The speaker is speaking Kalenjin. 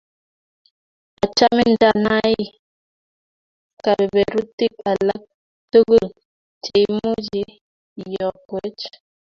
Achome ndanai kabeberutik alak tugul cheimuchi iyokwech